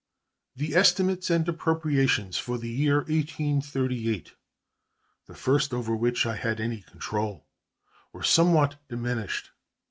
The estimates and appropriations for the year 1838 (the first over which I had any control) were somewhat diminished.